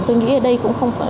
tôi nghĩ ở đây cũng không có